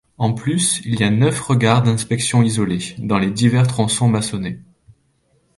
En plus, il y a neuf regards d'inspection isolés, dans les divers tronçons maçonnés.